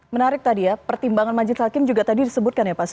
menarik tadi ya pertimbangan majid salkim juga tadi disebutkan ya pak suparji